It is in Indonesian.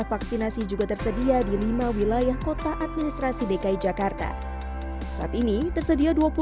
vaksinasi juga tersedia di lima wilayah kota administrasi dki jakarta saat ini tersedia